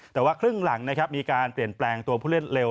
แต่ว่าครึ่งหลังนะครับมีการเปลี่ยนแปลงตัวผู้เล่นเร็ว